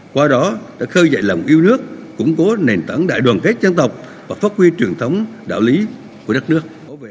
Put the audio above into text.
qua đó đã khơi dậy lòng yêu nước củng cố nền tảng đại đoàn kết dân tộc và phát huy truyền thống đạo lý của đất nước